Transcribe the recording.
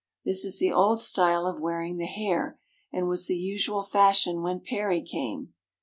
This is the old style of wearing the hair, and was the usual fashion when Perry came.